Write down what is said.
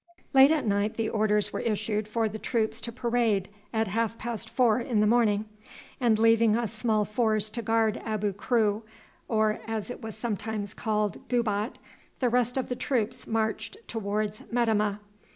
Late at night the orders were issued for the troops to parade at half past four in the morning; and leaving a small force to guard Abu Kru, or as it was sometimes called Gubat, the rest of the troops marched towards Metemmeh.